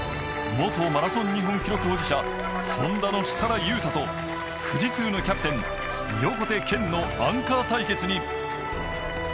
元マラソン日本記録保持者、Ｈｏｎｄａの設楽悠太と富士通のキャプテン・横手健のアンカー対決に。